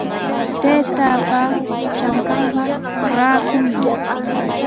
Taytaapa trankanqa rakumi.